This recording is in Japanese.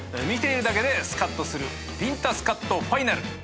見ているだけでスカッとするビンタスカッとファイナル。